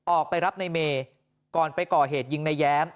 ออกไปรับในเมย์ก่อนไปก่อเหตุยิงในแย้ม